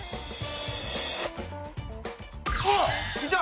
あっいた！